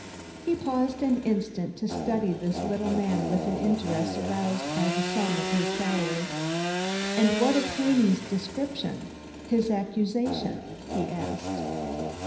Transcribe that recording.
He paused an instant to study this little man with an interest aroused by the sum of his salary. "And what of Haney's description? His accusation?" he asked.